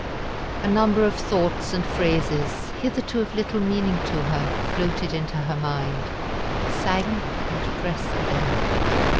A number of thoughts and phrases, hitherto of little meaning to her, floated into her mind sank and pressed there.